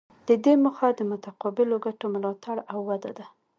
د دې موخه د متقابلو ګټو ملاتړ او وده ده